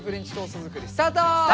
スタート！